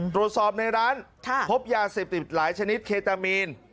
ตรวจสอบในร้านใช่พบยาสิบหลายชนิดเคแทมีน